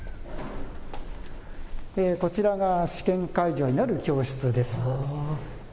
こちらが試験会場になる教室です。